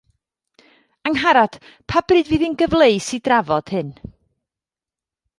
Angharad, pa bryd fydd hi'n gyfleus i drafod hyn